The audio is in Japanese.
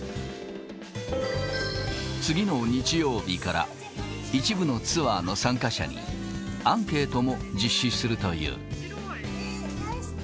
次の日曜日から、一部のツアーの参加者にアンケートも実施するという。